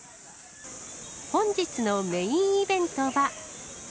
本日のメインイベントは。